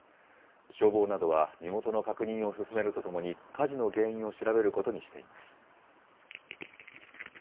消防などは身元の確認を進めるとともに、火事の原因を調べることにしています。